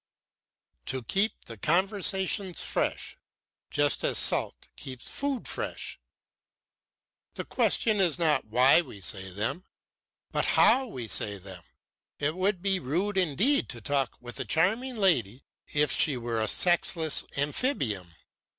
"To keep the conversations fresh, just as salt keeps food fresh. The question is not why we say them, but how we say them. It would be rude indeed to talk with a charming lady as if she were a sexless Amphibium.